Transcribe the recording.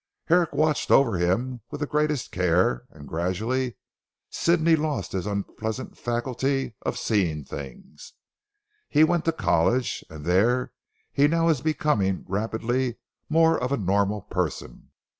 Herrick watched over him with the greatest care and gradually Sidney lost his unpleasant faculty of "seeing things." He went to college, and there he now is, becoming rapidly more of a normal person.